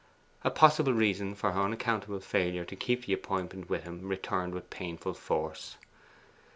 A possible reason for her unaccountable failure to keep the appointment with him returned with painful force.